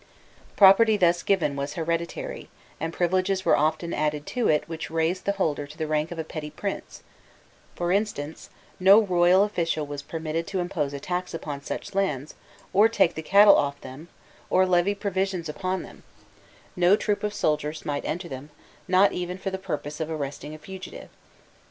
Property thus given was hereditary, and privileges were often added to it which raised the holder to the rank of a petty prince: for instance, no royal official was permitted to impose a tax upon such lands, or take the cattle off them, or levy provisions upon them; no troop of soldiers might enter them, not even for the purpose of arresting a fugitive.